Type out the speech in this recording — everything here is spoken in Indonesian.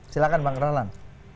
silahkan bang keralan